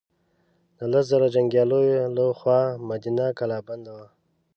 د لس زره جنګیالیو له خوا مدینه کلا بنده وه.